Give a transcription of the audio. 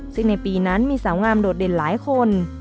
ซึ่งในปีนั้นมีสาวงามโดดเด่นหลายคน